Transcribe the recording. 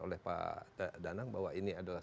oleh pak danang bahwa ini adalah